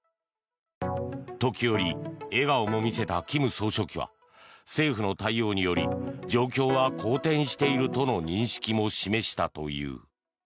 時折、笑顔も見せた金総書記は政府の対応により状況は好転しているとの認識も示したという。